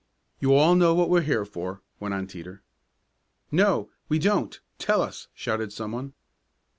"You all know what we're here for," went on Teeter. "No, we don't; tell us!" shouted some one.